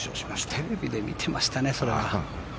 テレビで見てましたねそれは。